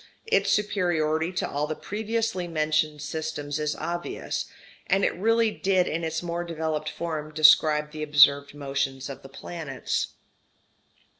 Its superiority to all the previously mentioned systems is obvious. And it really did in its more developed form describe the observed motions of the planets.